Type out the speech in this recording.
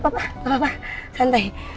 gak apa apa santai